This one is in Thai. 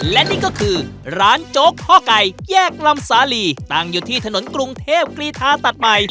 และนี่ก็คือร้านโจ๊กพ่อไก่แยกลำสาลีตั้งอยู่ที่ถนนกรุงเทพกรีธาตัดใหม่